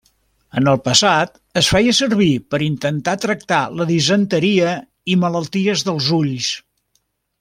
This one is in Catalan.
En el passat es feia servir per intentar tractar la disenteria i malalties dels ulls.